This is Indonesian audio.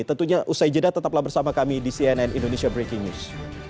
tentunya usai jeda tetaplah bersama kami di cnn indonesia breaking news